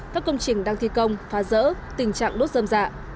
các công trình đang thi công phá rỡ tình trạng đốt dâm dạ